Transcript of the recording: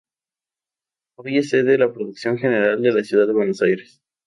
Hoy es sede la Procuración General de la Ciudad de Buenos Aires.